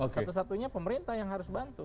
satu satunya pemerintah yang harus bantu